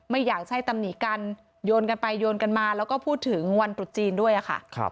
ไม่อยากใช้ตำหนิกันโยนกันไปโยนกันมาแล้วก็พูดถึงวันตรุษจีนด้วยค่ะ